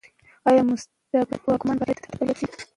ايا مستبد واکمن بايد اتل ياد شي؟